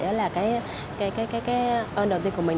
đó là cái ơn đầu tiên của mình